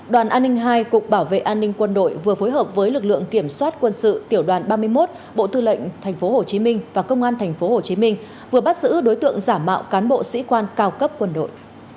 đoàn an ninh hai cục bảo vệ an ninh quân đội vừa phối hợp với lực lượng kiểm soát quân sự tiểu đoàn ba mươi một bộ tư lệnh tp hcm và công an tp hcm vừa bắt giữ đối tượng giả mạo cán bộ sĩ quan cao cấp quân đội